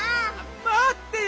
まってよ！